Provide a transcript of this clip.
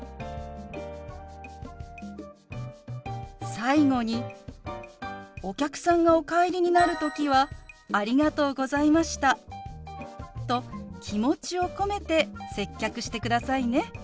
最後にお客さんがお帰りになる時は「ありがとうございました」と気持ちを込めて接客してくださいね。